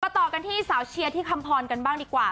ต่อกันที่สาวเชียร์ที่คำพรกันบ้างดีกว่า